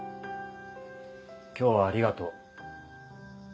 今日はありがとう。